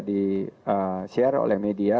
dishare oleh media